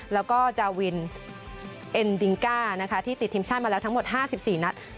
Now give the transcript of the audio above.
แล้วก็จาวินเอ็นดิงก้านะคะที่ติดทีมชาติมาแล้วทั้งหมด๕๔นัด